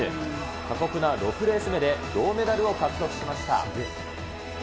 過酷な６レース目で、銅メダルを獲得しました。